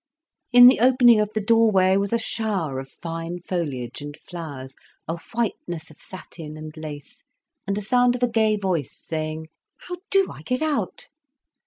In the opening of the doorway was a shower of fine foliage and flowers, a whiteness of satin and lace, and a sound of a gay voice saying: "How do I get out?"